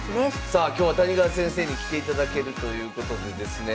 さあ今日は谷川先生に来ていただけるということでですね